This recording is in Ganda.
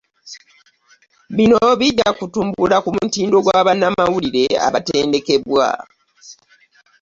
Bino bijja kutumbula ku mutindo gwa bannamawulire abatendekebwa